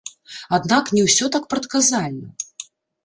Аднак не ўсё так прадказальна.